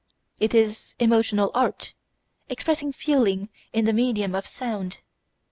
It is emotional art, expressing feelings in the medium of sound.